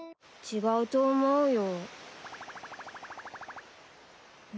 違うと思うよ。